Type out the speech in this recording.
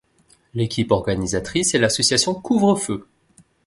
L'équipe organisatrice est l'association Couvre Feu.